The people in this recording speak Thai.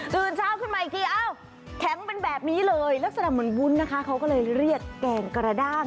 ตื่นเช้าขึ้นมาอีกทีเอ้าแข็งเป็นแบบนี้เลยแล้วสำหรับหมลบุญนะคะเขาก็เลยเรียกแกงกระด้าง